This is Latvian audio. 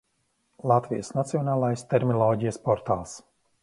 Latvijas Nacionālais terminoloģijas portāls